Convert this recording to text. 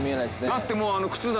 だってもう。